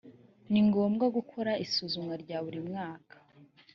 ni ngombwa gukora isuzuma rya buri mwaka